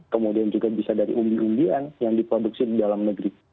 kemudian juga bisa dari umbi umbian yang diproduksi di dalam negeri